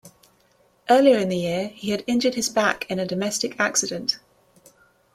Earlier in the year he had injured his back in a domestic accident.